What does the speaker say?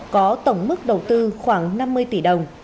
có tổng mức đầu tư khoảng năm mươi tỷ đồng